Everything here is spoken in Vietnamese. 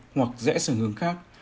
hoặc dẽ sở hướng khác